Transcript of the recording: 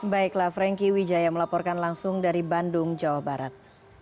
baiklah franky wijaya melaporkan langsung dari bandung jawa barat